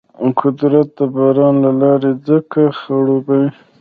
قدرت د باران له لارې ځمکه خړوبوي.